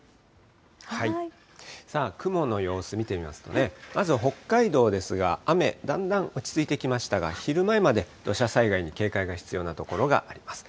さあ、雲の様子見てみますと、まず北海道ですが、雨だんだん落ち着いてきましたが、昼前まで土砂災害に警戒が必要な所があります。